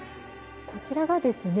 こちらがですね